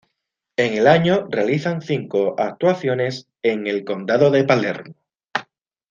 En el año, realizan cinco actuaciones en "El condado", de Palermo.